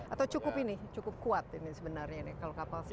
atau cukup ini cukup kuat ini sebenarnya ini kalau kapal selam